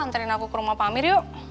antarin aku ke rumah pamer yuk